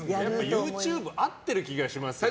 ＹｏｕＴｕｂｅ合ってる気がしますよね。